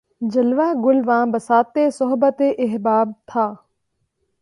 جلوہٴ گل واں بساطِ صحبتِ احباب تھا